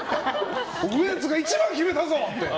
ウエンツが一番決めたぞ！って。